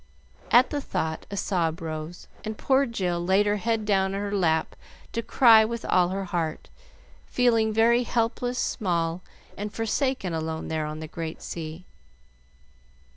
At the thought a sob rose, and poor Jill laid her head down on her lap to cry with all her heart, feeling very helpless, small, and forsaken alone there on the great sea.